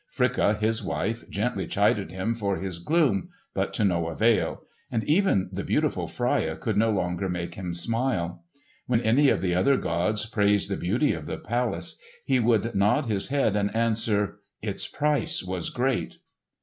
Fricka, his wife, gently chided him for his gloom but to no avail, and even the beautiful Freia could no longer make him smile. When any of the other gods praised the beauty of the palace, he would nod his head and answer; "Its price was great."